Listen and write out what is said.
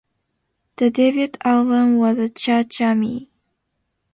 The debut album was "Cha Cha Me".